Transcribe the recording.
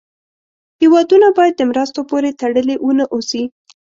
هېوادونه باید د مرستو پورې تړلې و نه اوسي.